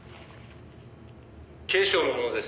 警視庁の者です」